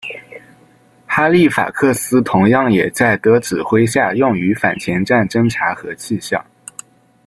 哈利法克斯同样也在的指挥下用于反潜战侦察和气象。